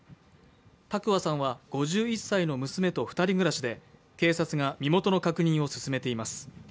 多久和さんは５１歳の娘と２人暮らしで警察が身元の確認を進めています。